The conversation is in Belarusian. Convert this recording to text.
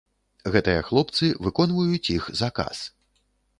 Гэтыя хлопцы выконваюць іх заказ.